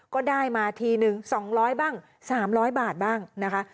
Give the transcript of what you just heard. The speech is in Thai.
ก็ได้มาทีนึง๒๐๐บ้าง๓๐๐บาทบ้างนะคะ